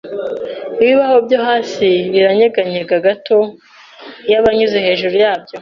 Ibibaho byo hasi biranyeganyega gato iyo ubanyuze hejuru yabyo.